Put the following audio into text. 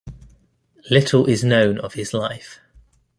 Little is known of his life.